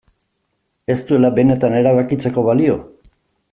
Ez duela benetan erabakitzeko balio?